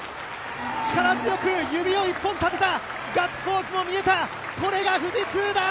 力強く指を１本立てた、ガッツポーズも見えたこれが富士通だ！